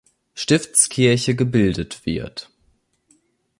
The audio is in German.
Stiftskirche gebildet wird.